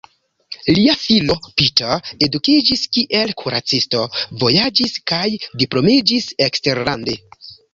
Lia filo Peter edukiĝis kiel kuracisto, vojaĝis kaj diplomiĝis eksterlande.